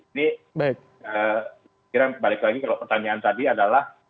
ini kira balik lagi kalau pertanyaan tadi adalah